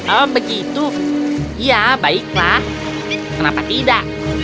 oh begitu ya baiklah kenapa tidak